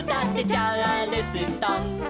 「チャールストン」